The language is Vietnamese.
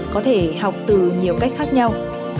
có thể học từ nhiều cách khác nhau